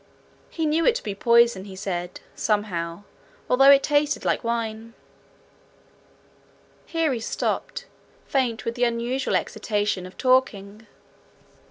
He knew it to be poison, he said, somehow, although it tasted like wine. Here he stopped, faint with the unusual exertion of talking.